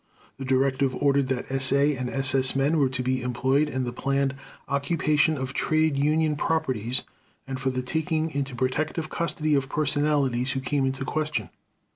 The directive ordered that SA and SS men were to be employed in the planned "occupation of trade union properties and for the taking into protective custody of personalities who come into question."